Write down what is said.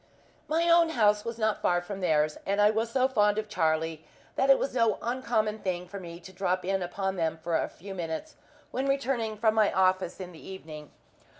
My own house was not far from theirs, and I was so fond of Charlie that it was no uncommon thing for me to drop in upon them for a few minutes, when returning from my office in the evening.